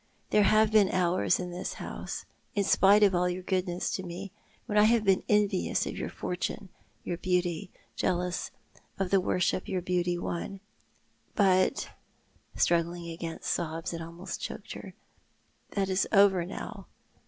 There have been hours in this house — in spite of all your goodness to me — when I have been envious of your fortune, your beauty, jealous of the worship your beauty won, but," struggling against sobs that almost choked her, " that is over now.